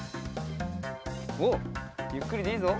おっゆっくりでいいぞ！